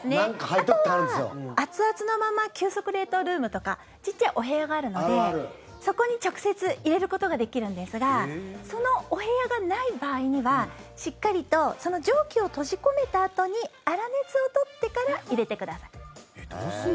あとは熱々のまま急速冷凍ルームとかちっちゃいお部屋があるのでそこに直接入れることができるんですがそのお部屋がない場合にはしっかりと蒸気を閉じ込めたあとに粗熱を取ってから入れてください。